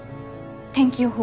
天気予報